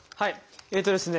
えっとですね